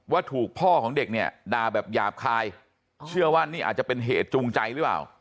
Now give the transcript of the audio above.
ว่าถูกพ่อของเด็กเนี่ยด่าแบบหยาบคายเชื่อว่านี่อาจจะเป็นเหตุจูงใจหรือเปล่า